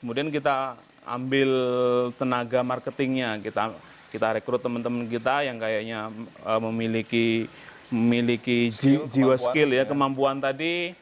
kemudian kita ambil tenaga marketingnya kita rekrut teman teman kita yang kayaknya memiliki jiwa skill ya kemampuan tadi